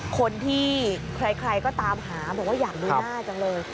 คนที่ใครก็ตามหาบอกว่าอยากดูหน้าจังเลย